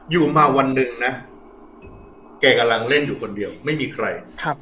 อยู่มาวันหนึ่งนะแกกำลังเล่นอยู่คนเดียวไม่มีใคร